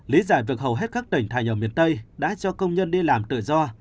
lý giải việc hầu hết các tỉnh thay nhờ miền tây đã cho công nhân đi làm tự do